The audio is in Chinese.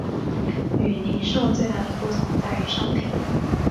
与零售最大的不同在于商品。